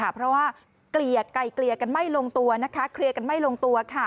เพราะว่าเกลียกลายกลียากันไม่ลงตัว